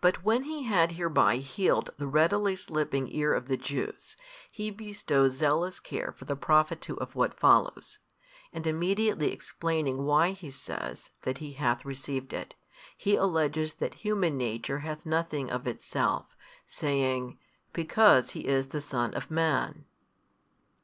But when He had hereby healed the readily slipping ear of the Jews, He bestows zealous care for the profit too of what follows, and immediately explaining why He says that He hath received it, He alleges that human nature hath nothing of itself, saying, Because He is the Son of Man.